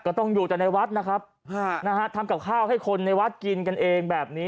ต้องอยู่แต่ในวัดนะครับนะฮะทำกับข้าวให้คนในวัดกินกันเองแบบนี้